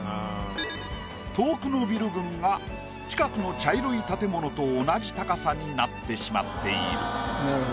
遠くのビル群が近くの茶色い建物と同じ高さになってしまっている。